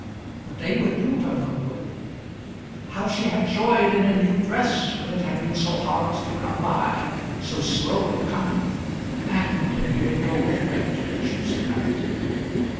But they would do her no good. How she had joyed in a new dress when it had been so hard to come by, so slow in coming, and when he would go with her to the choosing of it!